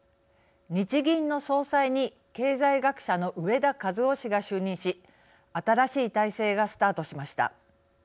日銀の総裁に経済学者の植田和男氏が就任し新しい体制がスタートしました。